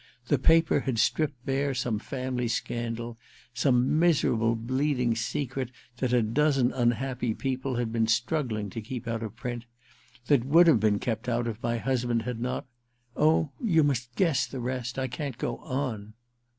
* The paper had stripped bare some family scandal — some miserable bleeding secret that a dozen unhappy people had been struggling to keep out of print — that would have been kept out if my husband had not — Oh, you must guess the rest ! I can't go on